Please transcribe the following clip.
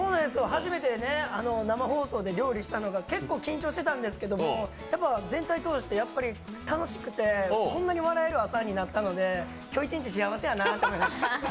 初めて生放送で料理したのが、結構緊張してたんですけど全体通してやっぱり楽しくて、こんなに笑える朝になったので、今日一日、幸せやなと思って。